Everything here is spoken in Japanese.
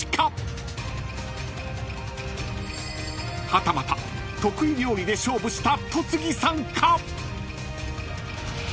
［はたまた得意料理で勝負した戸次さんか？］